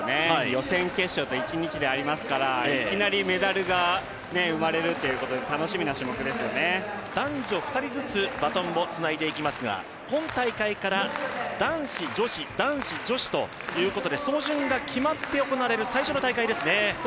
予選、決勝と一日でありますからいきなりメダルが生まれるっていうことで男女２人ずつバトンをつないでいきますが男子、女子、男子、女子と走順が決まって行われる最初の大会ですよね。